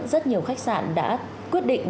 rất nhiều khách sạn đã quyết định